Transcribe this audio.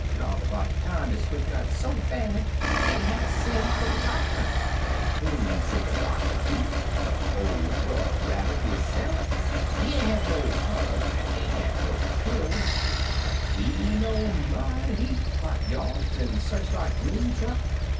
Long 'bout dat time his foot got so bad dat he hatter sen' fer de doctor — an' whom should de doctor be but ol' Brer Rabbit hisse'f ! He ain't had no powders an' he ain't had no pills, but he know a mighty heap 'bout yarbs an' such like green truck.